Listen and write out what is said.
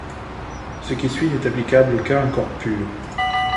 Ce qui suit n'est applicable qu'à un corps pur.